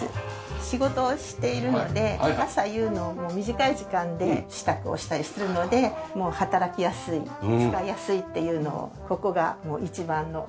仕事をしているので朝夕の短い時間で支度をしたりするのでもう働きやすい使いやすいっていうのをここが一番の。